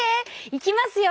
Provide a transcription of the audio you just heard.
いきますよ。